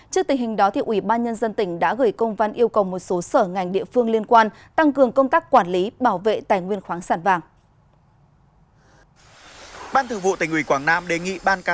trước tình hình đó ủy ban nhân dân tỉnh đã gửi công văn yêu cầu một số sở ngành địa phương liên quan tăng cường công tác quản lý bảo vệ tài nguyên khoáng sản vàng